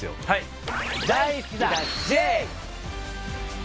はい。